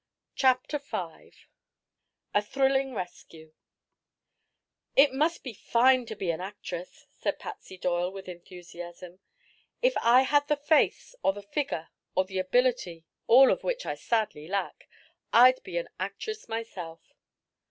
CHAPTER V A THRILLING RESCUE "It must be fine to be an actress," said Patsy Doyle, with enthusiasm. "If I had the face or the figure or the ability all of which I sadly lack I'd be an actress myself."